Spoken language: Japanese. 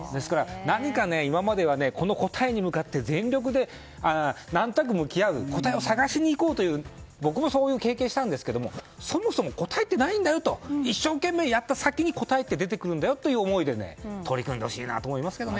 今まではこの答えに向かって全力で、何となく向き合う答えを探しにいこうという僕もそういう経験をしたんですがそもそも答えってないんだよと一生懸命やった先に答えって出てくるんだよという思いで取り組んでほしいなと思いますけどね。